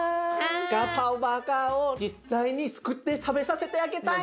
ガパオバーガーを実際につくって食べさせてあげたいの。